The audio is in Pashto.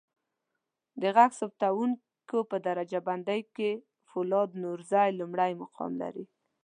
د ږغ ثبتکوونکو په درجه بندی کې فولاد نورزی لمړی مقام لري.